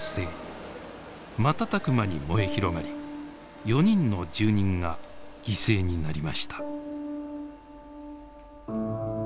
瞬く間に燃え広がり４人の住人が犠牲になりました。